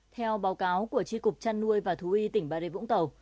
theo báo cáo của tri cục trăn nuôi và thú y tỉnh bà rê vũng tàu